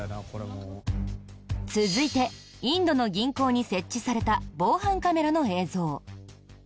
続いてインドの銀行に設置された防犯カメラの映像。